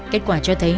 kết quả cho thấy